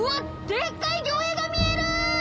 でっかい魚影が見える！